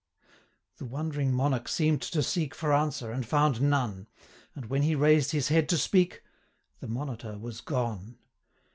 The wondering monarch seem'd to seek For answer, and found none; And when he raised his head to speak, 355 The monitor was gone.